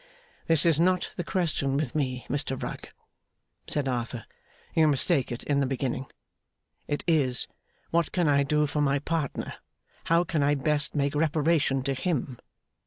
'This is not the question with me, Mr Rugg,' said Arthur. 'You mistake it in the beginning. It is, what can I do for my partner, how can I best make reparation to him?